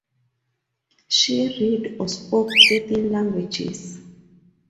She read or spoke thirteen languages.